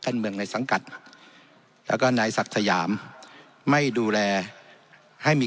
การเมืองในสังกัดแล้วก็นายศักดิ์สยามไม่ดูแลให้มี